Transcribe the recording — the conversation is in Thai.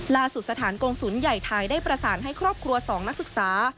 สถานกงศูนย์ใหญ่ไทยได้ประสานให้ครอบครัว๒นักศึกษา